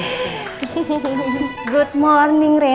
selamat pagi rena